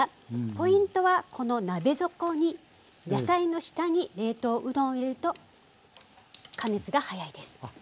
ポイントはこの鍋底に野菜の下に冷凍うどんを入れると加熱が早いです。